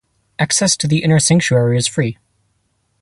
Access to the inner sanctuary is free.